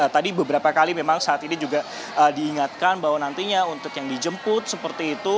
tadi beberapa kali memang saat ini juga diingatkan bahwa nantinya untuk yang dijemput seperti itu